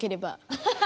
ハハハハ！